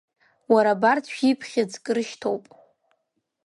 Уара убарҭ шәиԥхьыӡк рышьҭоуп…